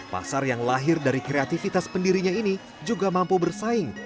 pasar yang lahir dari kreativitas pendirinya ini juga mampu bersaing